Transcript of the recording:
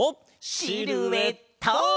シルエット！